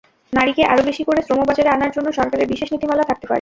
নারীকে আরও বেশি করে শ্রমবাজারে আনার জন্য সরকারের বিশেষ নীতিমালা থাকতে পারে।